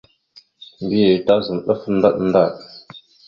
Mbiyez tazam ɗaf ndaɗ ndaɗ.